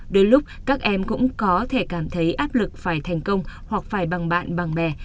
đôi lúc các em cũng có thể cảm thấy áp lực phải thành công hoặc phải bằng bạn bằng bè